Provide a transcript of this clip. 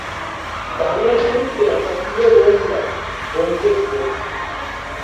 বাংলা সাহিত্যে আমার প্রিয় গোয়েন্দা ব্যোমকেশ বক্সী।